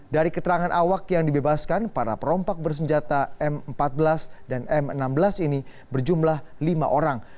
dari keterangan awak yang dibebaskan para perompak bersenjata m empat belas dan m enam belas ini berjumlah lima orang